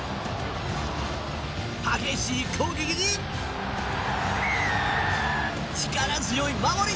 激しい攻撃に力強い守り！